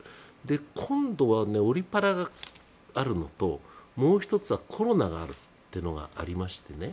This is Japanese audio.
今度はオリ・パラがあるのともう１つはコロナがあるっていうのがありましてね